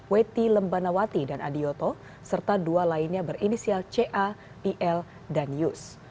weti lembanawati dan adioto serta dua lainnya berinisial ca il dan yus